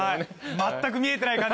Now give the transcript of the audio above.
全く見えてない感じ